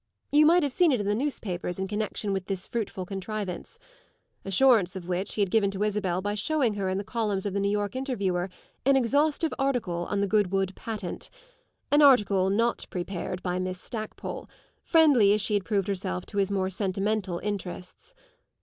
You might have seen it in the newspapers in connection with this fruitful contrivance; assurance of which he had given to Isabel by showing her in the columns of the New York Interviewer an exhaustive article on the Goodwood patent an article not prepared by Miss Stackpole, friendly as she had proved herself to his more sentimental interests.